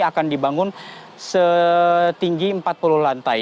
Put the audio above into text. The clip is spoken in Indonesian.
akan dibangun setinggi empat puluh lantai